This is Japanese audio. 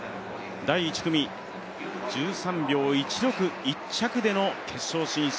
第１組、１３秒１６、１着での決勝進出。